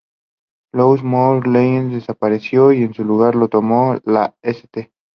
Louis Major League desapareció y su lugar lo tomó la St.